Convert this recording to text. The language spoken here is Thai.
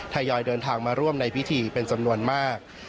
ยอยเดินทางมาร่วมในพิธีเป็นจำนวนมาก